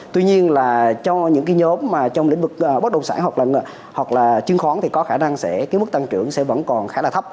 tuy nhiên là cho những nhóm trong lĩnh vực bất đồng sản hoặc là chứng khoán thì có khả năng sẽ cái mức tăng trưởng sẽ vẫn còn khá là thấp